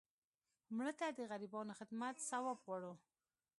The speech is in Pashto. مړه ته د غریبانو خدمت ثواب غواړو